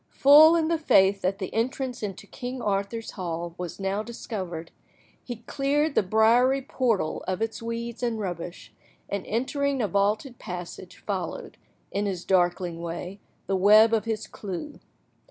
Full in the faith that the entrance into King Arthur's hall was now discovered, he cleared the briary portal of its weeds and rubbish, and entering a vaulted passage, followed, in his darkling way, the web of his clew.